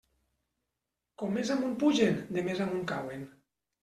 Com més amunt pugen, de més amunt cauen.